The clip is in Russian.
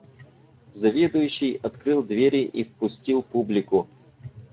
Заведующий открыл двери и впустил публику.